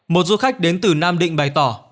một du khách đến từ nam định bày tỏ